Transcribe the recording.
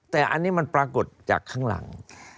แต่อันนี้มันปรากฏจากข้างหลัง